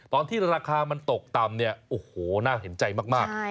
ตอนที่ราคามันตกต่ำเนี่ยโอ้โหน่าเห็นใจมาก